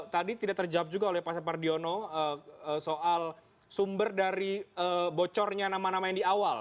tadi tidak terjawab juga oleh pak separdiono soal sumber dari bocornya nama nama yang di awal